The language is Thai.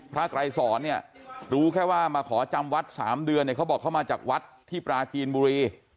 ไกรสอนเนี่ยรู้แค่ว่ามาขอจำวัด๓เดือนเนี่ยเขาบอกเขามาจากวัดที่ปราจีนบุรี